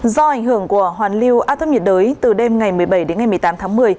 do ảnh hưởng của hoàn lưu áp thấp nhiệt đới từ đêm ngày một mươi bảy đến ngày một mươi tám tháng một mươi